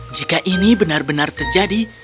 jika ini benar benar terjadi